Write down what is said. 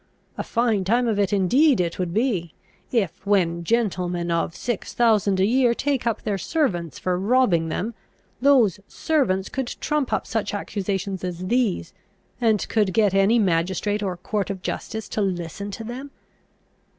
A fine time of it indeed it would be, if, when gentlemen of six thousand a year take up their servants for robbing them, those servants could trump up such accusations as these, and could get any magistrate or court of justice to listen to them!